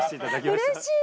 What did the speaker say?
うれしい！